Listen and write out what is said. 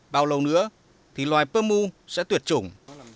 bao lâu nữa thì loài pơ mu sẽ tuyệt chủng